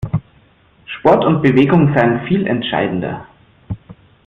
Sport und Bewegung seien viel entscheidender.